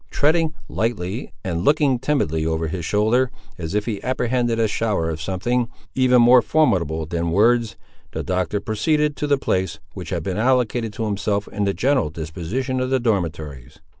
Treading lightly, and looking timidly over his shoulder, as if he apprehended a shower of something, even more formidable than words, the Doctor proceeded to the place which had been allotted to himself in the general disposition of the dormitories.